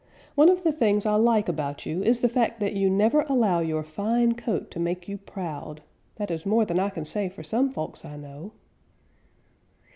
One of the things I like about you is the fact that you never allow your fine coat to make you proud. That is more than I can say for some folks I know."